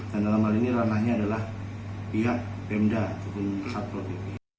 dan dalam hal ini ranahnya adalah pihak bemda kepolisian resor lombok timur